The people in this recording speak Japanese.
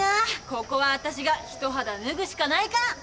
ここはわたしが一肌脱ぐしかないか。